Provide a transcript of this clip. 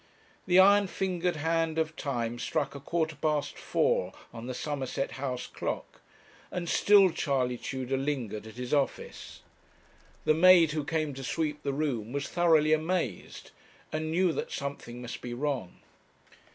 The iron fingered hand of time struck a quarter past four on the Somerset House clock, and still Charley Tudor lingered at his office. The maid who came to sweep the room was thoroughly amazed, and knew that something must be wrong.